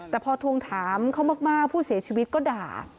แต่พอทวงถามเขามากผู้เสียชีวิตก็ด่า